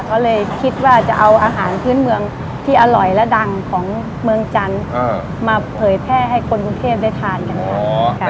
ก็เลยคิดว่าจะเอาอาหารพื้นเมืองที่อร่อยและดังของเมืองจันทร์มาเผยแพร่ให้คนกรุงเทพได้ทานกันค่ะ